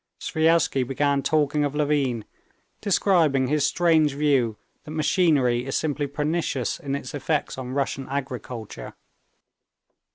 Sviazhsky began talking of Levin, describing his strange view that machinery is simply pernicious in its effects on Russian agriculture.